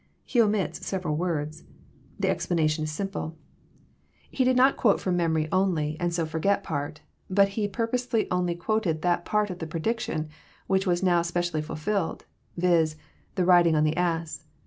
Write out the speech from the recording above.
He omits several words. The explauation is simple. 828 EXPOSITORY THOUGHTS. He did not quote ftom memory only, and so forget part; but he pui^osely only quoted that part of the prediction which was now specially ftilfilled; viz., '*the riding on the ass."